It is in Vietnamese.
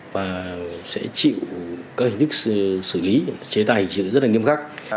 và sẽ chịu các hình thức xử lý chế tài rất nghiêm khắc